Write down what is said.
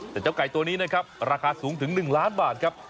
แต่เจ้าไก่ตัวนี้นะครับราคาสูงถึง๑ล้านบาทครับ